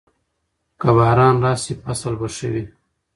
که باران راشي، فصل به ښه وي.